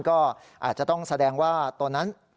ก็อาจจะต้องแสดงว่าตอนนั้น